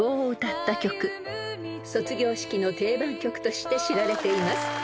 ［卒業式の定番曲として知られています］